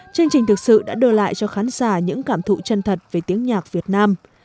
chương trình thực sự đã đưa lại cho khán giả những cảm thụ chân thật về tiếng nhạc việt nam